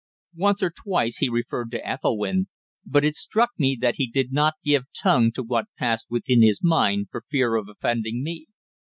Once or twice he referred to Ethelwynn, but it struck me that he did not give tongue to what passed within his mind for fear of offending me.